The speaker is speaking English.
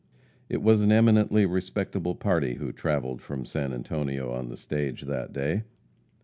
It was an eminently respectable party who travelled from San Antonio on the stage that day.